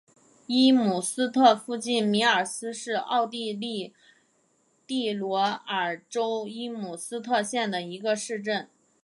伊姆斯特附近米尔斯是奥地利蒂罗尔州伊姆斯特县的一个市镇。